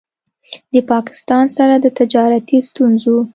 د پاکستان سره د تجارتي ستونځو